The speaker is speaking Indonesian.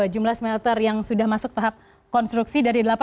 jumlah smelter yang sudah masuk tahap konstruksi dari delapan